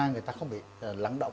người ta không bị lắng động